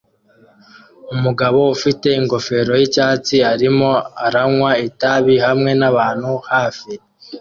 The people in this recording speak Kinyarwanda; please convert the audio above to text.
Umugabo ufite ingofero yicyatsi arimo aranywa itabi hamwe nabantu hafi